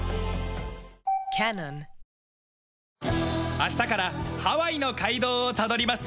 明日からハワイの街道をたどります。